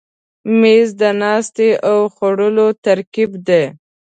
مېز د ناستې او خوړلو ترکیب دی.